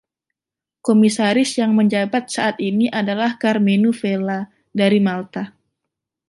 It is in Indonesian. Komisaris yang menjabat saat ini adalah Karmenu Vella dari Malta.